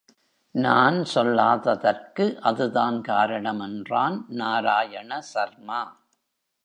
நான் சொல்லாததற்கு அதுதான் காரணம் என்றான் நாராயண சர்மா.